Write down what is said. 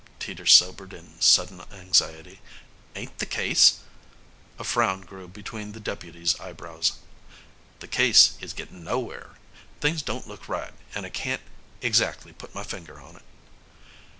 Teeters sobered in sudden anxiety. "Ain't the case " A frown grew between the deputy's eyebrows. "The case is gettin' nowhere. Things don't look right, and I can't exactly put my finger on it."